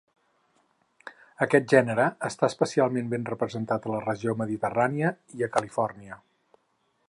Aquest gènere està especialment ben representat a la regió mediterrània i a Califòrnia.